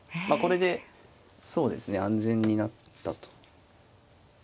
まあこれでそうですね安全になったと。